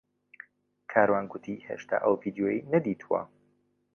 کاروان گوتی هێشتا ئەو ڤیدیۆیەی نەدیتووە.